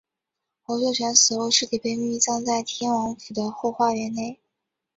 洪秀全死后尸体被秘密葬在天王府的后花园内。